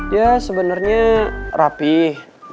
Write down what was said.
ya sebenernya rapih